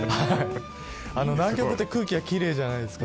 南極って空気が奇麗じゃないですか。